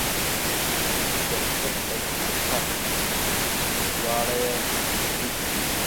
سیاست او مخالفت دواړه یې مردود دي.